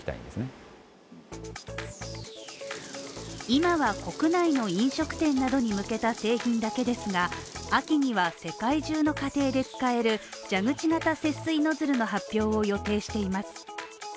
今は国内の飲食店などに向けた製品だけですが、秋には世界中の家庭で使える蛇口型節水ノズルの発表を予定しています。